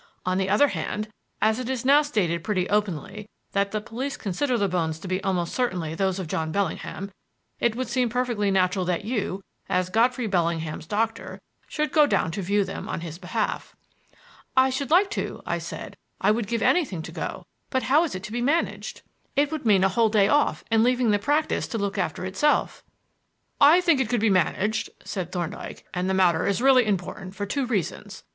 On the other hand, as it is now stated pretty openly that the police consider the bones to be almost certainly those of John Bellingham, it would seem perfectly natural that you, as Godfrey Bellingham's doctor, should go down to view them on his behalf." "I should like to," I said. "I would give anything to go; but how is it to be managed? It would mean a whole day off and leaving the practise to look after itself." "I think it could be managed," said Thorndyke; "and the matter is really important for two reasons.